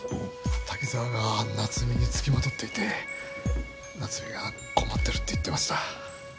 滝沢が夏美につきまとっていて夏美が困ってるって言ってました。